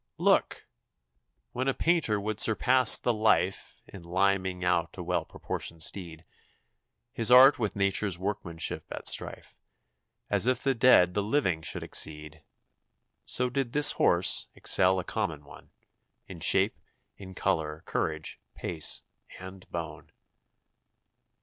Look! When a painter would surpass the life In limning out a well proportioned steed, His art with nature's workmanship at strife, As if the dead the living should exceed, So did this horse excel a common one, In shape, in color, courage, pace, and bone.